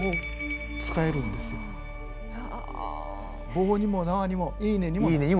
棒にも縄にも「いいね」にもなる。